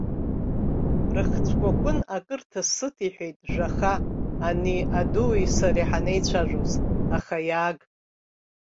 Рыхцәкәакәын акырҭа сыҭ, иҳәеит, жәаха, ани адуи сареи ҳанеицәажәоз, аха иааг!